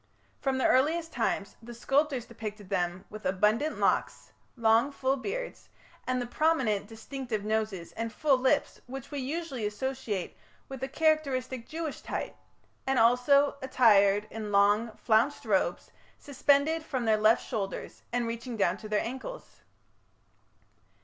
From the earliest times the sculptors depicted them with abundant locks, long full beards, and the prominent distinctive noses and full lips, which we usually associate with the characteristic Jewish type, and also attired in long, flounced robes, suspended from their left shoulders, and reaching down to their ankles.